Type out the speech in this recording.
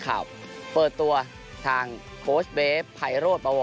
และเมื่อวานครับ